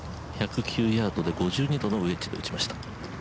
１０９ヤードで５２度のウェッジで打ちました。